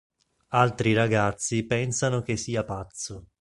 Altri ragazzi pensano che sia pazzo.